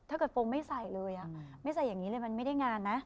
โฟงไม่ใส่เลยไม่ใส่อย่างนี้เลยมันไม่ได้งานนะ